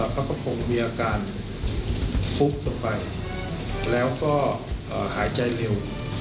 พกพงษ์มีอาการฟุกต่อไปแล้วก็หายใจเร็ว